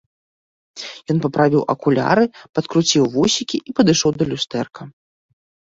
Ён паправіў акуляры, падкруціў вусікі і падышоў да люстэрка.